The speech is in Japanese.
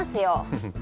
フフッ！